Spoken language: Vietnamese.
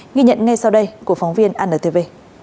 nghi nhận ngay sau đây của phóng viên anntv